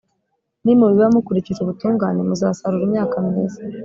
Nimubiba mukurikije ubutungane, muzasarura imyaka myiza.